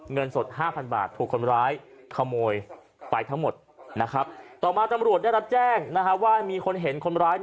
เงินสด๕๐๐บาทถูกคนร้ายขโมยไปทั้งหมดนะครับต่อมาตำรวจได้รับแจ้งนะฮะว่ามีคนเห็นคนร้าย